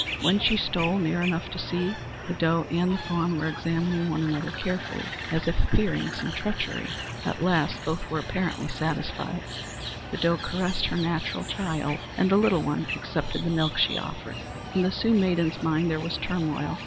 When she stole near enough to see, the doe and the fawn were examining one another carefully, as if fearing some treachery. At last both were apparently satisfied. The doe caressed her natural child, and the little one accepted the milk she offered. In the Sioux maiden's mind there was turmoil.